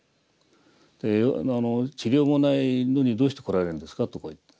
「治療もないのにどうして来られるんですか」とこう言った。